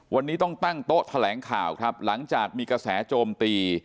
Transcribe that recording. วันนี้ต้องตั้งโต๊ะแถลงข่าวครับหลังจากมีกระแสโจมตี